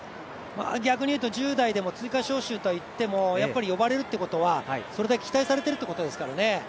逆に言うと１０代でも追加招集とはいってもやっぱり呼ばれるっていうことはそれだけ期待されているということですからね。